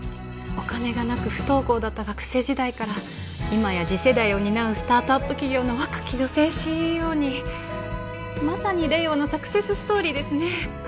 お金がなく不登校だった学生時代から今や次世代を担うスタートアップ企業の若き女性ＣＥＯにまさに令和のサクセスストーリーですね